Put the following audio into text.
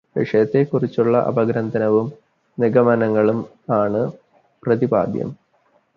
വിഷയത്തെക്കുറിച്ചുള്ള അപഗ്രഥനവും നിഗമനങ്ങളും ആണ് പ്രതിപാദ്യം.